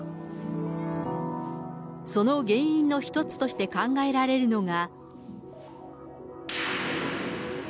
その原因の一つとして考えられるのが。